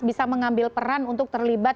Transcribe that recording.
bisa mengambil peran untuk terlibat